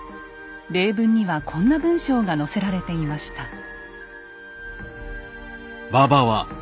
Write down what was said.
例文にはこんな文章が載せられていました。